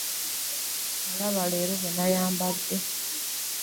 Olaba leero bwe nnyambadde?